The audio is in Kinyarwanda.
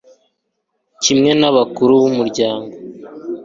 kimwe n'abakuru b'umuryango